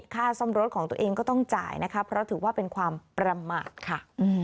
ค่าซ่อมรถของตัวเองก็ต้องจ่ายนะคะเพราะถือว่าเป็นความประมาทค่ะ